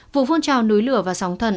vụ phun trào núi lửa và sóng thần